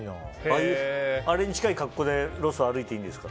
あれに近い格好でロス歩いていいんですか？